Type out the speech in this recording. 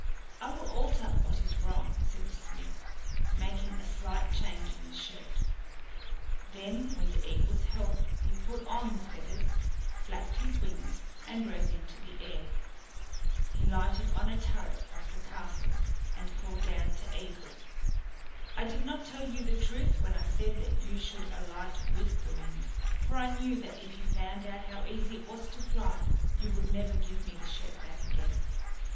"I will alter what is wrong," said the smith, making a slight change in the shirt. Then with Eigil's help he put on the feathers, flapped his wings and rose into the air. He lighted on a turret of the castle and called down to Eigil. "I did not tell you the truth when I said that you should alight with the wind, for I knew that if you found out how easy it was to fly you would never give me the shirt back again.